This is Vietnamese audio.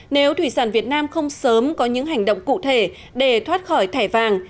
nếu thủy sản việt nam không sớm có những hành động cụ thể để thoát khỏi thẻ vàng